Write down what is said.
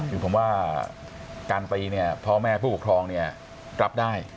คือผมว่าการตีเนี่ยพ่อแม่ผู้ปกครองเนี่ยรับได้